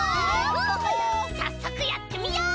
さっそくやってみよう！